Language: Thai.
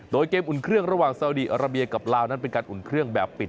โดยเกมอุ่นเครื่องระหว่างซาวดีอาราเบียกับลาวนั้นเป็นการอุ่นเครื่องแบบปิด